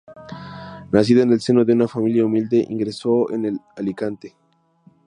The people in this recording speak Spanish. Nacido en el seno de una familia humilde, ingresó en el Alicante.